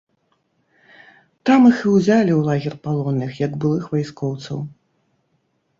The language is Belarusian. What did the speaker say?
Там іх і ўзялі ў лагер палонных, як былых вайскоўцаў.